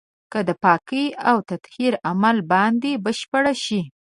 د پاکۍ او تطهير عمل بايد بشپړ شي.